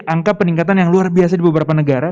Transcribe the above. angka peningkatan yang luar biasa di beberapa negara